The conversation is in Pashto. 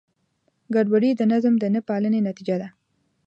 ګډوډي د نظم د نهپالنې نتیجه ده.